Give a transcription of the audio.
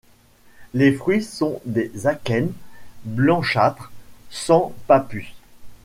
Les fruits sont des akènes blanchâtres, sans pappus.